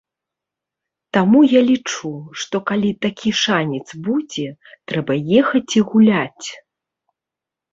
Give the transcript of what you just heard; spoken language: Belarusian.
Таму я лічу, што калі такі шанец будзе, трэба ехаць і гуляць.